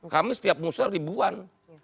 kami setiap musrah ribuan